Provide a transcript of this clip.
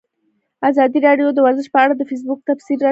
ازادي راډیو د ورزش په اړه د فیسبوک تبصرې راټولې کړي.